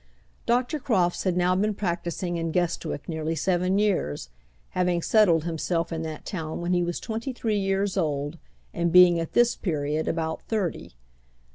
Dr. Crofts had now been practising in Guestwick nearly seven years, having settled himself in that town when he was twenty three years old, and being at this period about thirty.